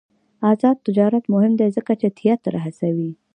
آزاد تجارت مهم دی ځکه چې تیاتر هڅوي.